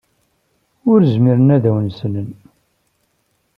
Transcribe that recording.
Ur zmiren ad awen-slen.